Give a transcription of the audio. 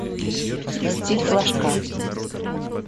Стиль флажка